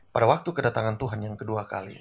pada waktu kedatangan tuhan yang kedua kali